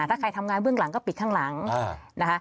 ถ้าใครทำงานเบื้องหลังก็ปิดข้างหลังนะคะ